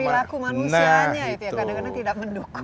perilaku manusianya itu yang kadang kadang tidak mendukung